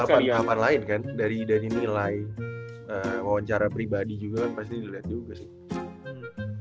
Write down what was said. tapi pasti ada tahapan tahapan lain kan dari dari nilai wawancara pribadi juga kan pasti dilihat juga sih